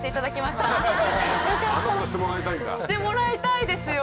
してもらいたいですよ。